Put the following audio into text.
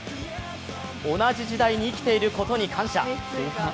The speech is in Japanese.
同じ時代に生きていることに感謝。